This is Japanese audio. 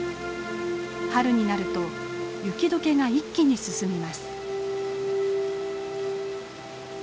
春になると雪解けが一気に進みます。